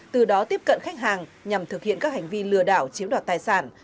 từ đó tiếp cận khách hàng nhằm thực hiện các hành vi lừa đảo chiếm đoạt tài sản